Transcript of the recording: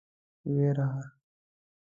وېره.